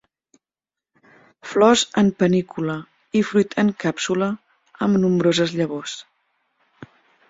Flors en panícula i fruit en càpsula amb nombroses llavors.